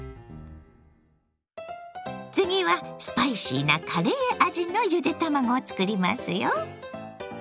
次はスパイシーなカレー味のゆで卵を作りますよ。